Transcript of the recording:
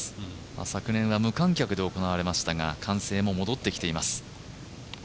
昨年は無観客で行われましたが歓声も戻ってきています。